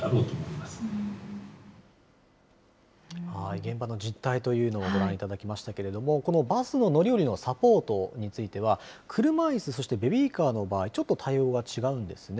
現場の実態というのをご覧いただきましたけど、このバスの乗り降りのサポートについては、車いす、そしてベビーカーの場合、ちょっと対応が違うんですね。